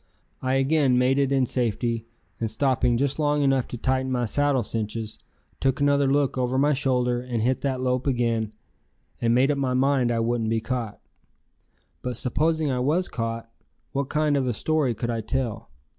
I again made it in safety, and stopping just long enough to tighten my saddle cinches, took another look over my shoulder and hit that lope again and made up my mind I wouldn't be caught. But supposing I was caught, what kind of a story could I tell?